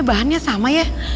bahannya sama ya